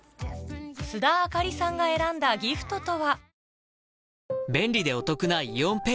須田亜香里さんが選んだギフトとは？